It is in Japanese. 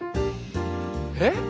えっ？